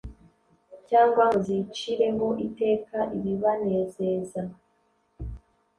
cyangwa ngo zicireho iteka ibibanezeza.